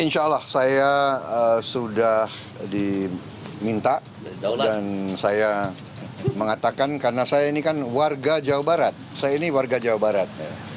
insya allah saya sudah diminta dan saya mengatakan karena saya ini kan warga jawa barat saya ini warga jawa barat